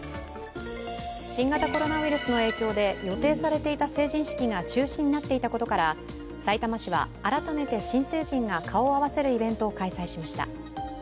新型コロナウイルスの影響で予定されていた中止になっていたことから、さいたま市は改めて新成人が顔を合わせるイベントを開催しました。